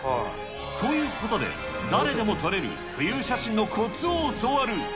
ということで、誰でも撮れる浮遊写真のこつを教わる。